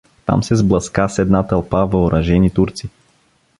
Там се сблъска` с една тълпа въоръжени турци.